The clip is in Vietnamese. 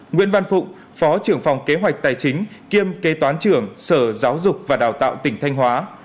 nguyễn văn phụng phó trưởng phòng kế hoạch tài chính kiêm kế toán trưởng sở giáo dục và đào tạo tỉnh thanh hóa